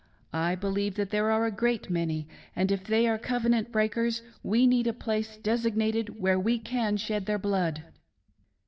I believe that there are a great many; and if they are covenant breakers, we need a place designated where we can shed their blood."